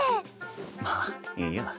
まあいいや。